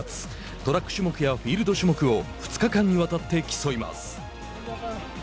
トラック種目やフィールド種目を２日間にわたって競います。